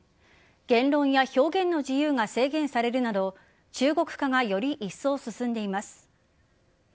言論や表現の自由が制限されるなど中国化がよりいっそう進んでいます。